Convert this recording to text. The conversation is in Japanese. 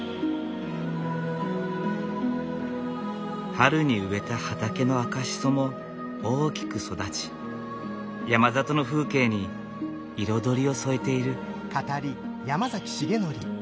春に植えた畑の赤シソも大きく育ち山里の風景に彩りを添えている。